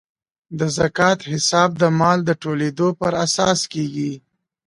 د زکات حساب د مال د ټولیدو پر اساس کیږي.